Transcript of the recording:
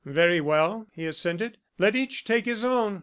"Very well," he assented. "Let each take his own.